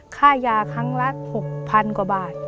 ค่ายาครั้งละ๖๐๐๐กว่าบาท